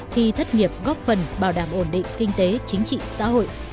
khi thất nghiệp góp phần bảo đảm ổn định kinh tế chính trị xã hội